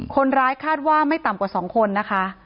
คนร้ายคาดว่าไม่ต่ำกว่า๒คนนะคะ